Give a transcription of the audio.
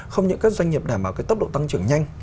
không những các doanh nghiệp đảm bảo cái tốc độ tăng trưởng nhanh